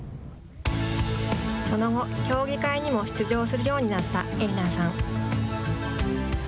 その後、競技会にも出場するようになった英理菜さん。